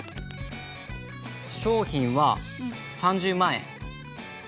商品は３０万円。